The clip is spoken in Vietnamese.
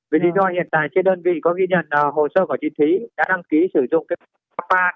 vì lý do hiện tại trên đơn vị có ghi nhận hồ sơ của chị thúy đã đăng ký sử dụng cái cấp ba đồng hồ điện công nghiệp này